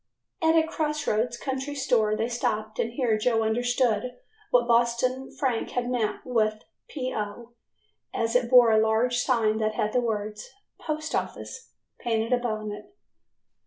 At a cross roads country store they stopped and here Joe understood what Boston Frank had meant with "P. O.", as it bore a large sign that had the words "Post Office" painted upon it.